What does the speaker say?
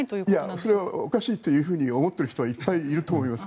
それはおかしいと思っている人はいっぱいいると思います。